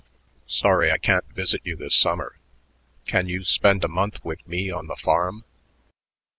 Sorry I can't visit you this summer. Can't you spend a month with me on the farm...?"